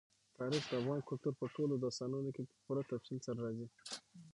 تاریخ د افغان کلتور په ټولو داستانونو کې په پوره تفصیل سره راځي.